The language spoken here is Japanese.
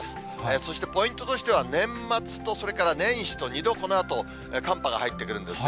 そしてポイントとしては年末とそれから年始と２度、このあと寒波が入ってくるんですね。